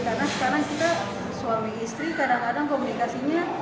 karena sekarang kita suami istri kadang kadang komunikasinya